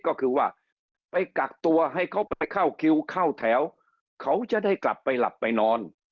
ก็คือว่าไปกักตัวให้เขาไปเข้าคิวเข้าแถวเขาจะได้กลับไปหลับไปนอน